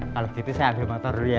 kalau gitu saya ambil motor dulu ya